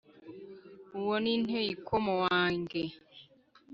uwo ni nteyikomo wange